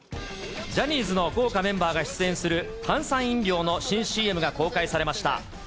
ジャニーズの豪華メンバーが出演する炭酸飲料の新ＣＭが公開されました。